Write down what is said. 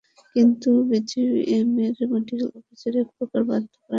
কিন্তু বিজিএমইএর medical officer একপ্রকার বাধ্য করেন ঢাকা মেডিকেলে ভর্তি হতে।